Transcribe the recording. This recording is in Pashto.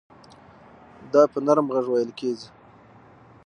دا په نرم غږ وېل کېږي.